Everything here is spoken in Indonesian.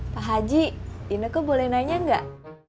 pak haji dina kok boleh nanya enggak